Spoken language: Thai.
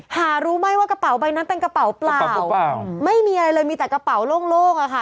หารู้ไหมว่ากระเป๋าใบนั้นเป็นกระเป๋าเปล่าไม่มีอะไรเลยมีแต่กระเป๋าโล่งอะค่ะ